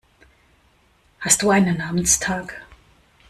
Hast du einen Namenstag?